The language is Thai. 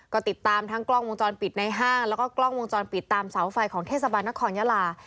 ก็ติดตามทั้งกล้องวงจรปิดในห้างแล้วก็กล้องวงจรปิดตามเสาไฟของเทศบาลนครยาลา